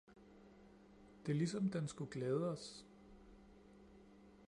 Det er ligesom den skulle gælde os